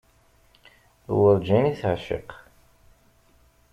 Werǧin i teεciq.